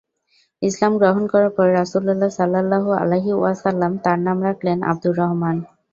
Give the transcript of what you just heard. ইসলাম গ্রহণ করার পর রাসূলুল্লাহ সাল্লাল্লাহু আলাইহি ওয়াসাল্লাম তার নাম রাখলেন আব্দুর রহমান।